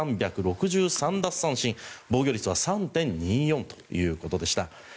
奪三振防御率は３．２４ということでした。